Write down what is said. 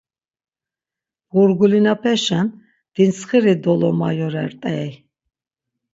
Burgulinapeşen dintsxiri dolomayorert̆ey.